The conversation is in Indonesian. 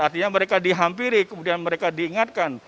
artinya mereka dihampiri kemudian mereka diingatkan